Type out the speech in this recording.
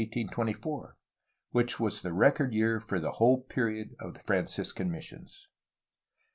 824, which was the record year for the whole period of the Franciscan missions.